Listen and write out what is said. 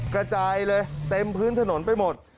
กระจายเลยเต็มพื้นถนนไปหมด